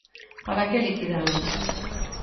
Para que liquidalo?